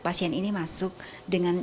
pasien ini masuk dengan